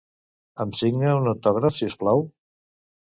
Em signa un autògraf, si us plau?